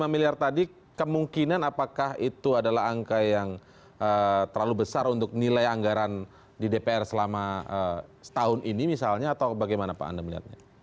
lima miliar tadi kemungkinan apakah itu adalah angka yang terlalu besar untuk nilai anggaran di dpr selama setahun ini misalnya atau bagaimana pak anda melihatnya